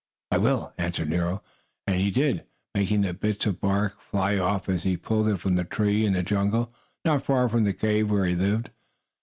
"I will," answered Nero, and he did, making the bits of bark fly as he pulled it from a tree in the jungle, not far from the cave where he lived.